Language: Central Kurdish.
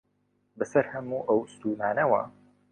بەسەر هەموو ئەو ستوونانەوە